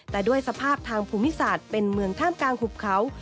แต่ด้วยสภาพทางภูมิศาสตร์เป็นเมืองท่ามกลางหุบเขา